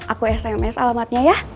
aku sms alamatnya ya